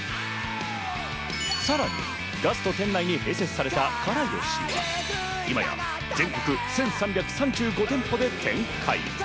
さらにガスト店内に併設された、から好しは今や全国１３３５店舗で展開。